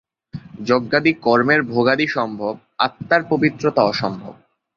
যজ্ঞাদি কর্মের ভোগাদি সম্ভব, আত্মার পবিত্রতা অসম্ভব।